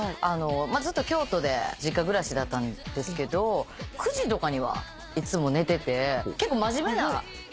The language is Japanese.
ずっと京都で実家暮らしだったんですけど９時とかにはいつも寝てて結構真面目な家やったんですよ。